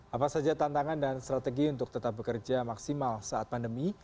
apa saja tantangan dan strategi untuk tetap bekerja maksimal saat pandemi